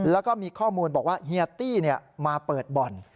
แล้วก็มีข้อมูลบอกว่าเฮียตี้มาเปิดบ่อน